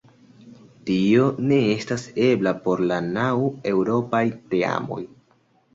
Tio ne estas ebla por la naŭ eŭropaj teamoj.